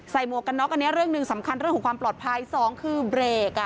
หมวกกันน็อกอันนี้เรื่องหนึ่งสำคัญเรื่องของความปลอดภัยสองคือเบรกอ่ะ